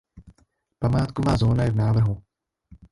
Památková zóna je v návrhu.